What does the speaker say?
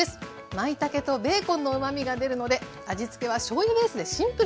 まいたけとベーコンのうまみが出るので味付けはしょうゆベースでシンプルに。